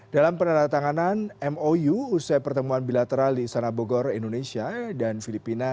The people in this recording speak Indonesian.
dalam penandatanganan mou usai pertemuan bilateral di istana bogor indonesia dan filipina